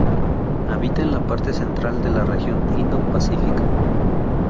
Habita en la parte central de la región Indo-Pacífica.